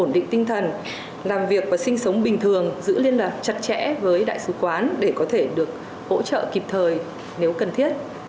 ổn định tinh thần làm việc và sinh sống bình thường giữ liên lạc chặt chẽ với đại sứ quán để có thể được hỗ trợ kịp thời nếu cần thiết